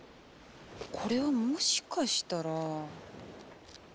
これはもしかしたら。